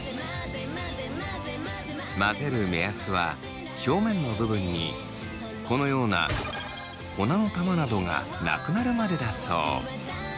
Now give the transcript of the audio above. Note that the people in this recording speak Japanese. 混ぜる目安は表面の部分にこのような粉の玉などがなくなるまでだそう。